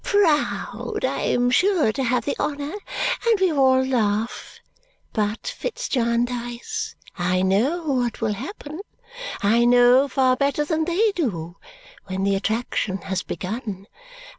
Proud I am sure to have the honour! And we all laugh. But, Fitz Jarndyce, I know what will happen. I know, far better than they do, when the attraction has begun.